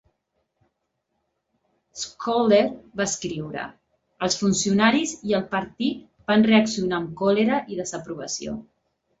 Scholder va escriure: els funcionaris i el partit van reaccionar amb còlera i desaprovació.